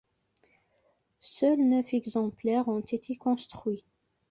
Seuls neuf exemplaires ont été construits.